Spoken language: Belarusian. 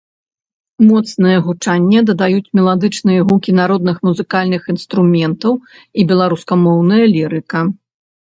Моцнае гучанне дадаюць меладычныя гукі народных музыкальных інструментаў і беларускамоўная лірыка.